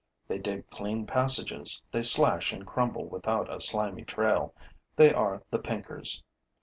They dig clean passages, they slash and crumble without a slimy trail, they are the pinkers.